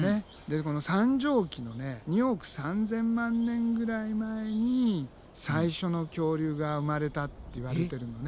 この三畳紀の２億３，０００万年ぐらい前に最初の恐竜が生まれたっていわれてるのね。